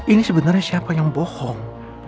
ini sebenarnya siapa yang bohong